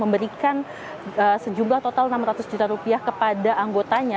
memberikan sejumlah total enam ratus juta rupiah kepada anggotanya